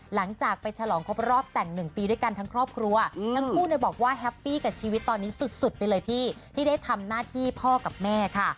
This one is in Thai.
หลังจากไปฉลองครบรอบแต่ง๑ปีด้วยกันทั้งครอบครัวทั้งคู่บอกว่าแฮปปี้กับชีวิตตอนนี้สุดไปเลยพี่ที่ได้ทำหน้าที่พ่อกับแม่ค่ะ